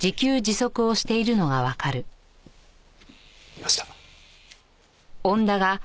いました。